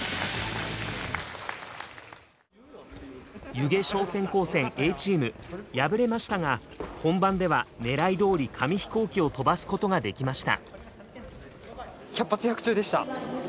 弓削商船高専Ａチーム敗れましたが本番では狙いどおり紙飛行機を飛ばすことができました。